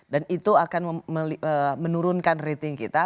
dan itu akan menurunkan rating kita